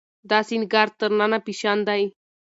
دا سينګار تر ننه فېشن دی.